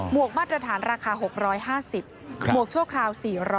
วกมาตรฐานราคา๖๕๐หมวกชั่วคราว๔๐๐